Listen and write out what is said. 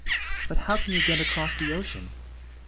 " But how can you get across the ocean